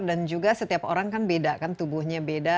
dan juga setiap orang kan beda kan tubuhnya beda